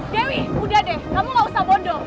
dewi udah deh kamu gak usah bondong